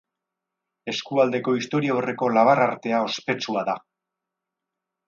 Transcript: Eskualdeko historiaurreko labar-artea ospetsua da.